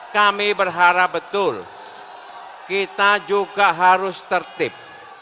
kami berharap betul kita juga harus tertib